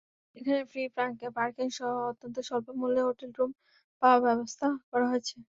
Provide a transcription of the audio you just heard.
এখানে ফ্রি পার্কিংসহ অত্যন্ত স্বল্পমূল্যে হোটেল রুম পাওয়ার ব্যবস্থা করা হয়েছে।